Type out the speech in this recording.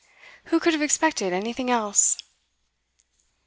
Who could have expected anything else?